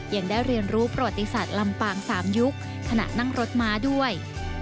ยังได้เรียนรู้ประวัติศาสตร์ลำปาง๓ยุคขณะนั่งรถม้าด้วย